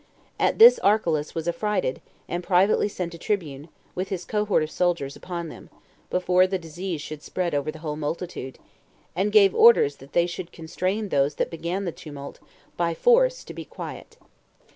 At this Archelaus was affrighted, and privately sent a tribune, with his cohort of soldiers, upon them, before the disease should spread over the whole multitude, and gave orders that they should constrain those that began the tumult, by force, to be quiet.